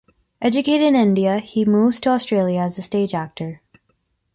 Educated in India, he moves to Australia as a stage actor.